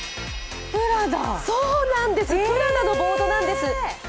そうなんです、プラダのボードなんです。